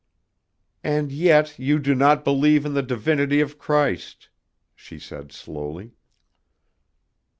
"And yet you do not believe in the divinity of Christ," she said slowly.